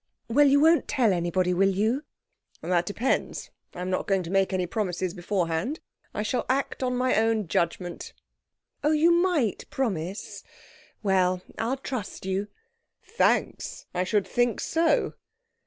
'Well, you won't tell anybody, will you?' 'That depends. I'm not going to make any promises beforehand. I shall act on my own judgement.' 'Oh, you might promise. Well, I'll trust you.' 'Thanks! I should think so!'